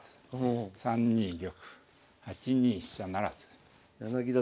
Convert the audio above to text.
３二玉８二飛車不成。